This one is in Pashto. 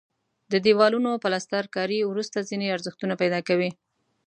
د دیوالونو پلستر کاري وروسته ځینې ارزښتونه پیدا کوي.